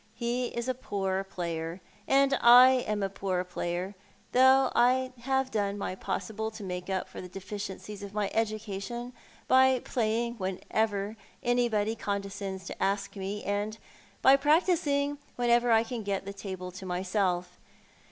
He is a poor player, and I am a poor player, though I have done my possible to make up for the deficiencies of my education by playing whenever anybody con descends to ask me, and by practising whenever I can get the table to myself.